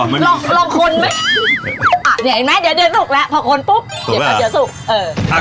วางเตียวดูถูกเอ่อ